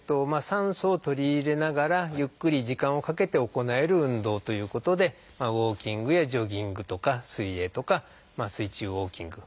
酸素を取り入れながらゆっくり時間をかけて行える運動ということでウォーキングやジョギングとか水泳とか水中ウォーキング。